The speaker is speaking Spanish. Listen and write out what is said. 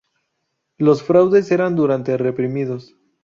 Los fraudes eran duramente reprimidos.